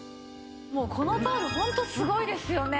もうこのタオルホントすごいですよね。